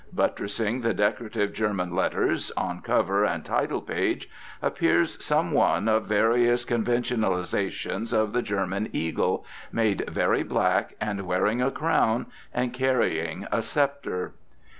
Buttressing the decorative German letters, on cover and title page, appears some one of various conventionalisations of the German eagle, made very black, and wearing a crown and carrying a sceptre.